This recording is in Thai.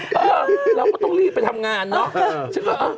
เออเราก็ต้องรีบไปทำงานเนอะ